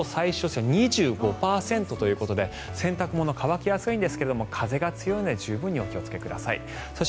東京も予想最小湿度２５％ということで洗濯物乾きやすいんですが風が強いのでお気をつけください。